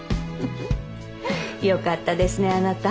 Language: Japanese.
よかったですねあなた。